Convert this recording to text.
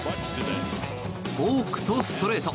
フォークとストレート。